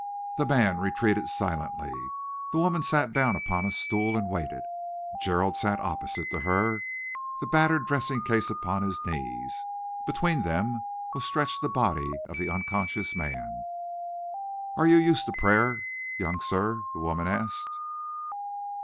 The man retreated silently. The woman sat down upon a stool and waited. Gerald sat opposite to her, the battered dressing case upon his knees. Between them was stretched the body of the unconscious man. "Are you used to prayer, young sir?" the woman asked.